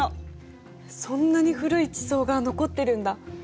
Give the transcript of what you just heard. そんなに古い地層が残ってるんだ。